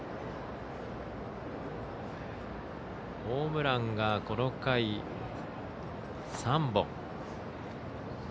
ホームランがこの回３本。